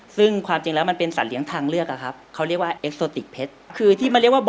ซึ่งความจริงแล้วมันเป็นสัตว์เลี้ยงทางเลือกครับ